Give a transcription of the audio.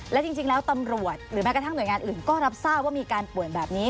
และจริงแล้วตำรวจหรือแม้กระทั่งหน่วยงานอื่นก็รับทราบว่ามีการป่วยแบบนี้